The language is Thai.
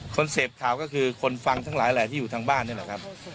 คนเสพข่าวก็คือคนฟังทั้งหลายแหละที่อยู่ทางบ้านนี่แหละครับ